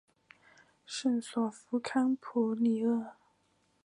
圣索弗康普里厄。